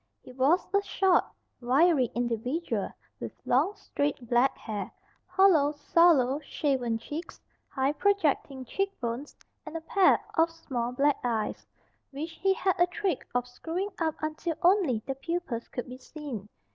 He was a short, wiry individual, with long, straight black hair, hollow, sallow, shaven cheeks, high projecting cheek bones, and a pair of small black eyes, which he had a trick of screwing up until only the pupils could be seen.